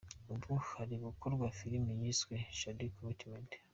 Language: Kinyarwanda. Ubu hari gukorwa filime yiswe ‘Shady Commitment’.